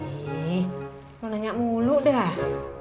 ih lo nanya mulu dah